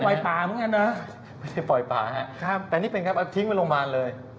ไม่ได้ปล่อยป่าครับอันนี้เป็นครับทิ้งไปโรงพยาบาลเลย